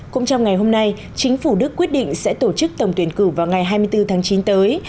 cũng trong ngày hôm nay chính phủ đức quyết định sẽ tổ chức tổng tuyển cử vào ngày hai mươi bốn tháng chín tới